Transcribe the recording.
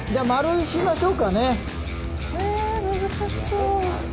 え難しそう。